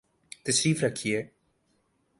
تشریف رکھئے